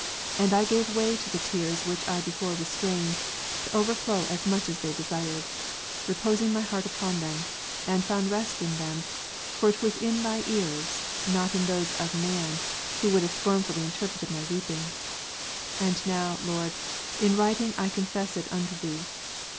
And I gave way to the tears which I before Gud croivns in mercy, the graces He gives. 179 restrained, to overflow as much as they desired ; reposing my heart upon them ; and it found rest in them, for it was in Thy ears, not in those of man, who would have scornfully interpreted my weeping. And now, Lord, in writing I con fess it unto Thee.